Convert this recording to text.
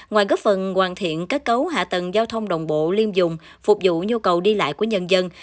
ngoài góp phần hoàn thiện các cấu hạ tầng giao thông đồng bộ liêm dùng phục vụ nhu cầu đi lại của nhân dân